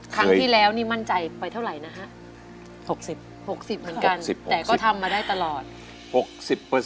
ครั้งที่แล้วนี่มั่นใจไปเท่าไหร่นะฮะ